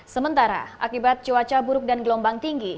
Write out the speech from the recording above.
sementara akibat cuaca buruk dan gelombang tinggi